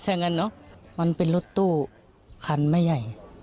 ถ้างั้นเนอะมันเป็นรถตู้คันไม่ใหญ่